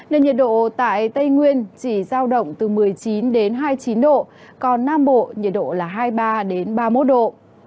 nên nhiệt độ tại tây nguyên chỉ giao động từ một mươi chín hai mươi chín độ còn nam bộ nhiệt độ là hai mươi ba ba mươi một độ